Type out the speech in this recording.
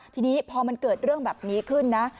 ทีนี้พอมันเกิดเรื่องแบบนี้ขึ้นนะ